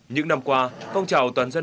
những năm qua phong trào toàn dân